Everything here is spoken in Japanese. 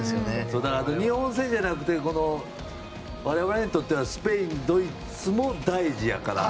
日本戦じゃなくても我々にとってはスペイン、ドイツも大事やから。